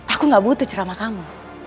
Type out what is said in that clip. aku gak butuh ceramah kamu